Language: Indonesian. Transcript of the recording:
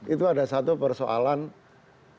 itu ada satu persoalan